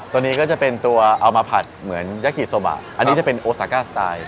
ตัวนี้ก็จะเป็นตัวเอามาผัดเหมือนยากิโซบะอันนี้จะเป็นโอซาก้าสไตล์